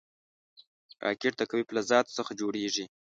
راکټ د قوي فلزاتو څخه جوړېږي